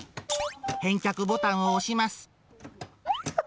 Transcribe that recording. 返却ボタンを押します。